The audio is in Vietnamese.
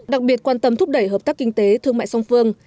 đặc biệt quan tâm thúc đẩy hợp tác kinh tế thương mại song phương